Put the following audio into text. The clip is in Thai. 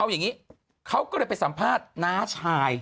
เอาอย่างนี้เขาก็เลยไปสัมภาษณ์น้าชาย